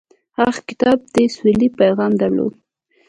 هغه کتاب د سولې پیغام درلود.